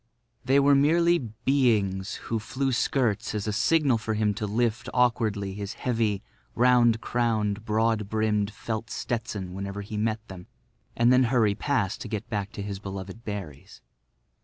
They were merely beings who flew skirts as a signal for him to lift awkwardly his heavy, round crowned, broad brimmed felt Stetson whenever he met them, and then hurry past to get back to his beloved berries.